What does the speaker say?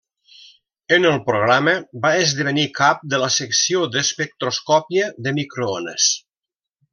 En el programa va esdevenir cap de la secció d'espectroscòpia de microones.